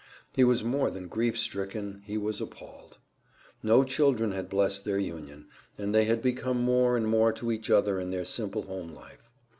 He was more than grief stricken, he was appalled. No children had blessed their union, and they had become more and more to each other in their simple home life.